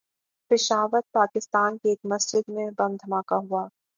پشاور، پاکستان کی ایک مسجد میں بم دھماکہ ہوا